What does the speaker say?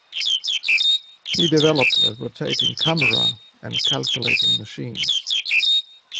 He developed a rotating camera and calculating machines.